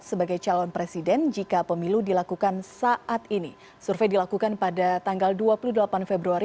sebagai calon presiden jika pemilu dilakukan saat ini survei dilakukan pada tanggal dua puluh delapan februari